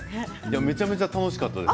めちゃめちゃ楽しかったです。